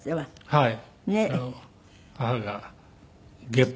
はい。